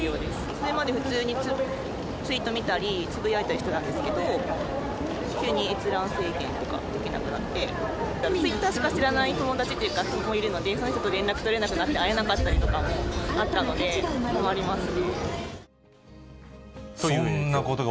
それまで普通にツイート見たりつぶやいたりしてたんですけど、急に閲覧制限とか、できなくなって、ツイッターしか知らない友達もいるので、その人と連絡取れなくなって会えなかったりとかもあというようなことが。